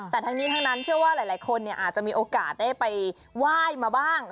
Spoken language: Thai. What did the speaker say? แต่ทั้งนี้ทั้งนั้นเชื่อว่าหลายคนอาจจะมีโอกาสได้ไปไหว้มาบ้าง